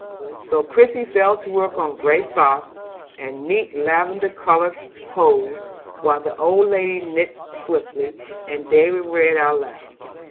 So Christie fell to work on gray socks, and neat lavender colored hose, while the old lady knit swiftly, and David read aloud.